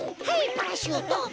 パラシュート。